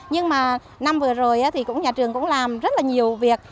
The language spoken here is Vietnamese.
nhưng mà năm vừa rồi thì cũng nhà trường cũng làm rất là nhiều việc